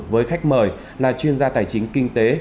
với khách mời là chuyên gia tài chính kinh tế